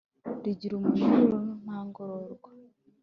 rigira umunyururu nta ngororwa